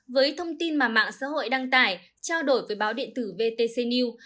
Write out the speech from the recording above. với thông tin mà mạng xã hội đăng tải trao đổi với báo điện tử vtc new